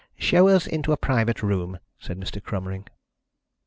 "Show us into a private room," said Mr. Cromering.